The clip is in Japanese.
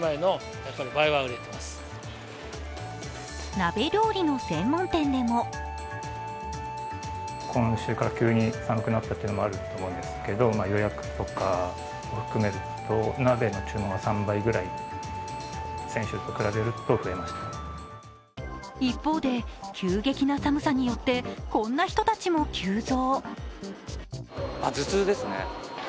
鍋料理の専門店でも一方で、急激な寒さによってこんな人たちも急増。